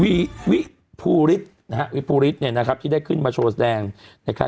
วี่วิพูฤฤษนะฮะวิพูฤษเนี่ยนะครับที่ได้ขึ้นมาโชว์แสดงนะคะ